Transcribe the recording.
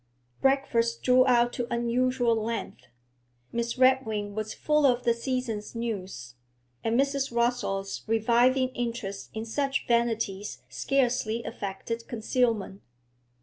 Breakfast drew out to unusual length. Miss Redwing was full of the season's news, and Mrs. Rossall's reviving interest in such vanities scarcely affected concealment.